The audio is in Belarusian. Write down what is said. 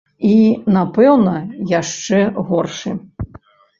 І, напэўна, яшчэ горшы.